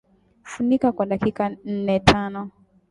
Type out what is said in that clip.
Funika kwa dakika nnetano